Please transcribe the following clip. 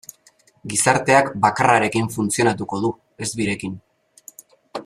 Gizarteak bakarrarekin funtzionatuko du, ez birekin.